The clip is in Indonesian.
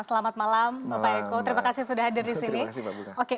selamat malam bapak eko terima kasih sudah hadir di sini